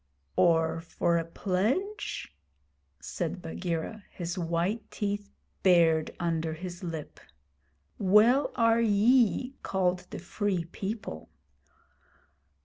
'Or for a pledge?' said Bagheera, his white teeth bared under his lip. 'Well are ye called the Free People!'